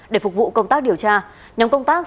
để phục vụ công tác điều tra